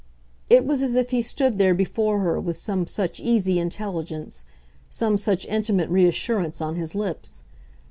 it was as if he stood there before her with some such easy intelligence, some such intimate reassurance, on his lips.